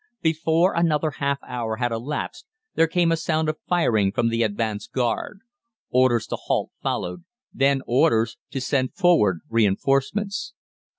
Before another half hour had elapsed there came a sound of firing from the advanced guard. Orders to halt followed, then orders to send forward reinforcements.